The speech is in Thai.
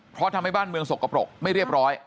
เพราะทำให้บ้านเมืองสกปรกไม่เรียบร้อย